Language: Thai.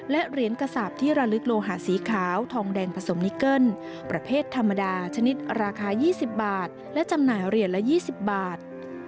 และเหรียญกระสาปที่ระลึกโลหะสีขาวทองแดงผสมนิเกิ้ลประเภทธรรมดาชนิดราคา๒๐บาทและจำหน่ายเหรียญละ๒๐บาท